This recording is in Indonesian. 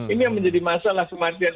ini yang menjadi masalah kematian